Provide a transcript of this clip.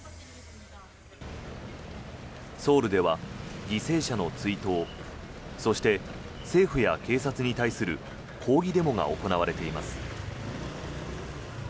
ソウルでは犠牲者の追悼そして、政府や警察に対する抗議デモが行われています。